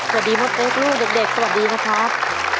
สวัสดีพ่อเป๊กลูกเด็กสวัสดีนะครับ